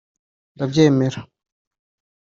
ndabyemera